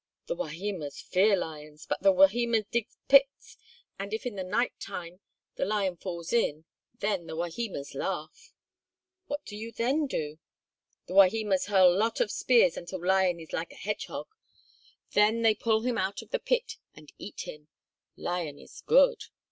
"The Wahimas fear lions but the Wahimas dig pits and if in the night time the lion falls in, then the Wahimas laugh." "What do you then do?" "The Wahimas hurl lot of spears until lion is like a hedgehog. Then they pull him out of the pit and eat him. Lion is good."